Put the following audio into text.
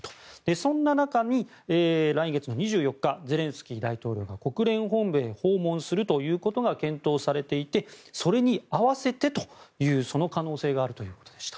そんな中に来月２４日ゼレンスキー大統領が国連本部へ訪問するということが検討されていてそれに合わせてという可能性があるということでした。